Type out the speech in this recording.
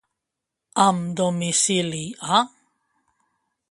Amb domicili a.